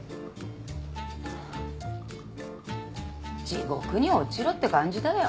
地獄に落ちろって感じだよ。